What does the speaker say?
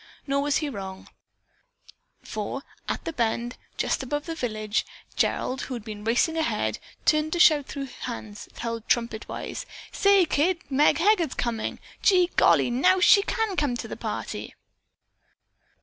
Nor was he wrong, for, at the bend, just above the village, Gerald, who had been racing ahead, turned to shout through hands held trumpet wise: "Say kids, Meg Heger's coming. Gee golly! Now she can come to the party!"